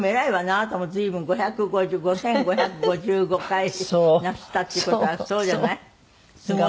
あなたも随分５５０５５５５回なすったっていう事はそうじゃない？